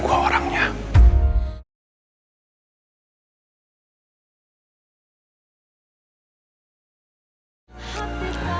gue bisa cari yang sepadan